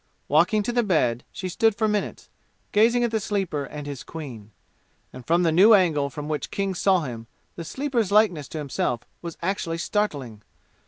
Walking to the bed, she stood for minutes, gazing at the Sleeper and his queen. And from the new angle from which King saw him the Sleeper's likeness to himself was actually startling.